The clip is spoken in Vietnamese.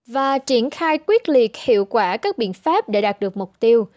và triển khai quyết liệt hiệu quả các biện pháp để đạt được mục tiêu